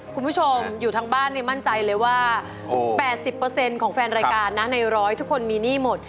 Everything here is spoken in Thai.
คุณผู้ชมอยู่ทางบ้านมั่นใจเลยว่า๘๐ของแฟนรายการนะใน๑๐๐ทุกคนมีหนี้หมด